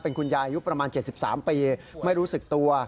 คุณยายอายุประมาณ๗๓ปีไม่รู้สึกตัว